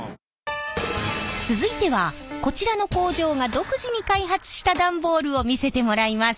続いてはこちらの工場が独自に開発した段ボールを見せてもらいます。